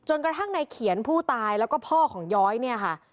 กระทั่งในเขียนผู้ตายแล้วก็พ่อของย้อยเนี่ยค่ะ